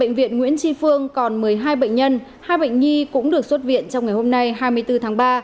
bệnh viện nguyễn tri phương còn một mươi hai bệnh nhân hai bệnh nhi cũng được xuất viện trong ngày hôm nay hai mươi bốn tháng ba